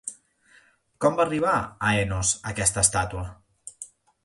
Com va arribar a Enos, aquesta estàtua?